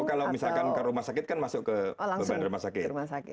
kalau misalkan ke rumah sakit kan masuk ke beban rumah sakit